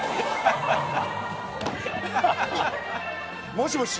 もしもし？